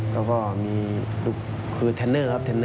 แล้วก็คือเทนเนอร์ครับเทนเนอร์